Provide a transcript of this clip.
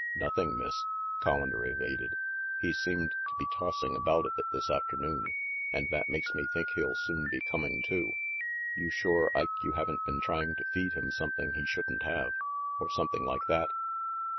"Nothing, Miss," Collander evaded. "He seemed to be tossing about a bit this afternoon, and that makes me think he'll soon be coming to." "You sure, Ike, you haven't been trying to feed him something he shouldn't have, or something like that?"